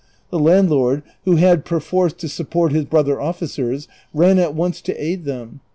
The landlord, who had perforce to support his brother officers, ran at once to aid them.